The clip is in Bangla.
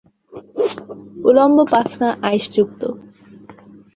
উলম্ব পাখনা আঁইশযুক্ত।